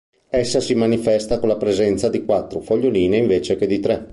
Essa si manifesta con la presenza di quattro foglioline invece che di tre.